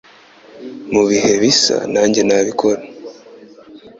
Mubihe bisa, nanjye nabikora.